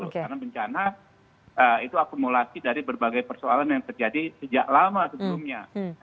karena bencana itu akumulasi dari berbagai persoalan yang terjadi sejak lama sebelumnya